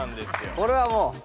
これはもうお。